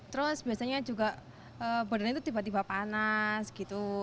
terus biasanya juga badannya itu tiba tiba panas gitu